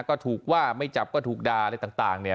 ก็ถูกว่าไม่จับก็ถูกด่าอะไรต่างเนี่ย